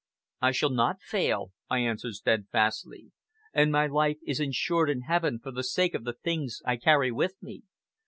"I shall not fail," I answered steadfastly, "and my life is insured in Heaven for the sake of the things I carry with me.